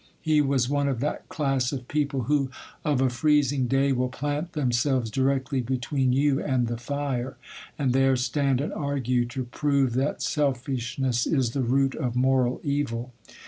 He was one of that class of people who, of a freezing day, will plant themselves directly between you and the fire, and there stand and argue to prove that selfishness is the root of moral evil.